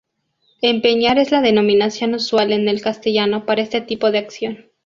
Empeñar es la denominación usual en el castellano para este tipo de acción.